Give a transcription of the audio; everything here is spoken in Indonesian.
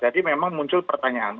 jadi memang muncul pertanyaan